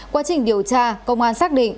qua trình điều tra công an xác định